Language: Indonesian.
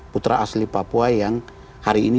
putra asli papua yang hari ini